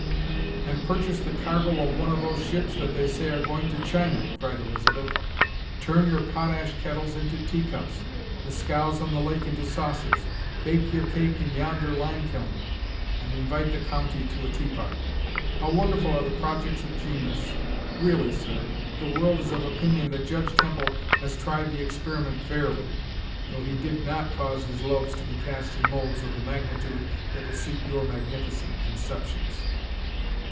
"And purchase the cargo of one of those ships that they say are going to China," cried Elizabeth; "turn your potash kettles into teacups, the scows on the lake into saucers, bake your cake in yonder lime kiln, and invite the county to a tea party. How wonderful are the projects of genius! Really, sir, the world is of opinion that Judge Temple has tried the experiment fairly, though he did not cause his loaves to be cast in moulds of the magnitude that would suit your magnificent conceptions."